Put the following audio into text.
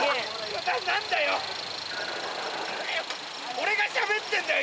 俺がしゃべってんだよ